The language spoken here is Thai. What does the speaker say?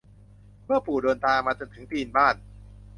เมื่อปู่เดินทางจนมาถึงตีนบ้าน